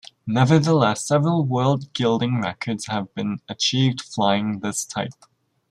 Nevertheless, several World Gliding Records have been achieved flying this type.